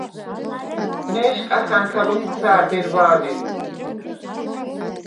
ნე̄შკახა̈ნქა ლოხვცა̄̈დ ერდვა̄ლე̄მ: